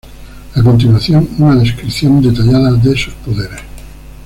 A continuación una descripción detallada de sus poderes.